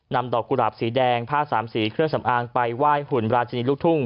นำดอกกุหลาบสีแดงผ้าสามสีเครื่องสำอางไปไหว้หุ่นราชินีลูกทุ่ง